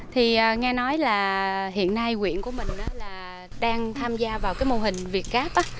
thì nghe nói là hiện nay quyện của mình đang tham gia vào cái mô hình việt gáp